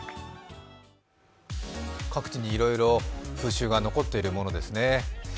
各地にいろいろ風習が残っているものですね。